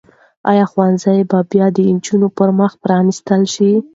آیا ښوونځي به بیا د نجونو پر مخ پرانیستل شي؟